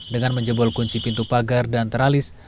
dengan menjebol kunci pintu pagar dan teralis